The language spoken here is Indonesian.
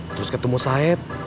terus ketemu saeb